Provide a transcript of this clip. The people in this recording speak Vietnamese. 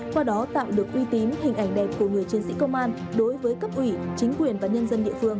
qua đó tạo được uy tín hình ảnh đẹp của người chiến sĩ công an đối với cấp ủy chính quyền và nhân dân địa phương